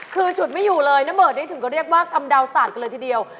คือฉุดไม่อยู่เลยนะเบิร์ดนี่ถึงก็เรียกว่ากำดาวสาดกันเลยทีเดียว